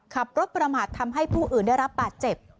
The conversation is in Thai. ขับรถประมาททำให้ผู้อื่นได้รับบาดเจ็บ